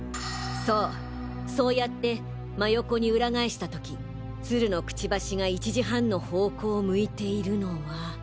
そうそうやって真横にウラ返した時鶴のクチバシが１時半の方向を向いているのは。